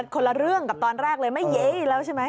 คนละเรื่องกับตอนแรกเลยไม่เย้อีกแล้วใช่ไหม